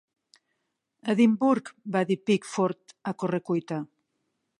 "Edimburg", va dir Pickford a correcuita.